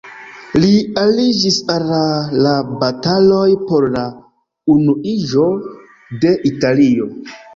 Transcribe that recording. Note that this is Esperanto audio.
Li aliĝis al la bataloj por la unuiĝo de Italio.